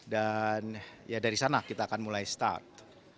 dan ya dari sana kita akan mulai start